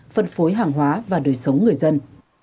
phân phối hàng hóa và đời sống người dân